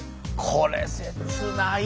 これ切ないよ。